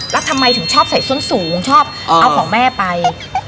แล้วทำไมถึงชอบใส่ส้นสูงชอบเอาของแม่ไป